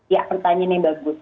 ya pertanyaan yang bagus